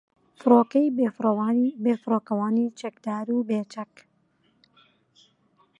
فۆرکەی بێفڕۆکەوانی چەکدار و بێچەک